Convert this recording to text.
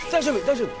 大丈夫？